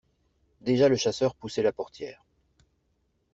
Déjà le chasseur poussait la portière.